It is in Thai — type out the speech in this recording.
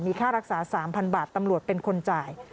ค่ารักษา๓๐๐บาทตำรวจเป็นคนจ่าย